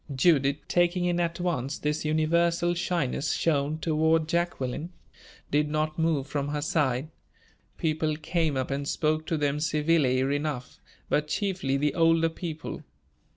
Judith, taking in at once this universal shyness shown toward Jacqueline, did not move from her side. People came up and spoke to them civilly enough, but chiefly the older people.